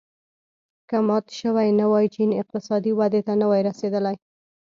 که مات شوی نه وای چین اقتصادي ودې ته نه وای رسېدلی.